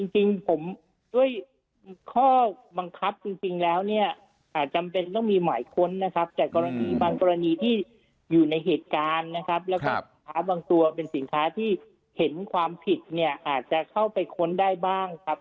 จริงผมด้วยข้อบังคับจริงแล้วเนี่ยจำเป็นต้องมีหมายค้นนะครับจากกรณีบางกรณีที่อยู่ในเหตุการณ์นะครับแล้วก็ค้าบางตัวเป็นสินค้าที่เห็นความผิดเนี่ยอาจจะเข้าไปค้นได้บ้างครับ